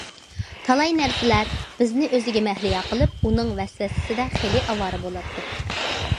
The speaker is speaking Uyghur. تالاي نەرسىلەر بىزنى ئۆزىگە مەھلىيا قىلىپ، ئۇنىڭ ۋەسۋەسىسىدە خېلى ئاۋارە بولاتتۇق.